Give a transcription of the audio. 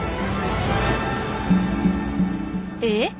えっ？